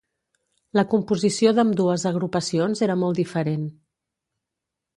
La composició d'ambdues agrupacions era molt diferent.